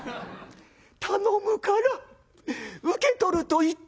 頼むから受け取ると言ってくれ」。